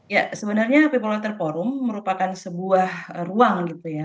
ya sebenarnya paper water forum merupakan sebuah ruang gitu ya